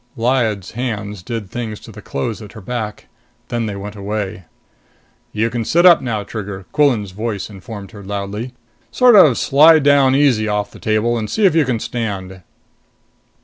Lyad's hands did things to the clothes at her back. Then they went away. "You can sit up now, Trigger!" Quillan's voice informed her loudly. "Sort of slide down easy off the table and see if you can stand."